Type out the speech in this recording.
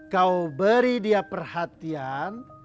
kau beri dia perhatian